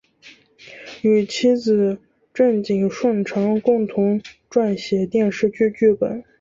与妻子郑景顺常共同撰写电视剧剧本。